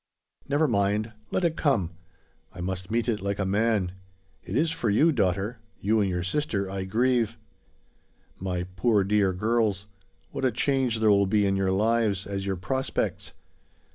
Never mind! Let it come! I must meet it like a man. It is for you, daughter you and your sister I grieve. My poor dear girls; what a change there will be in your lives, as your prospects!